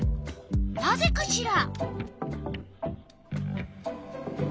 なぜかしら？